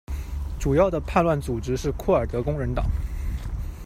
主要的叛乱组织是库尔德工人党。